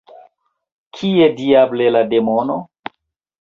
Kie diable la demono?